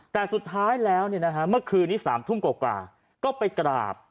แต่สุดท้ายแล้วเมื่อคืนนี้๓ทุ่มกว่าก็ไปกราบ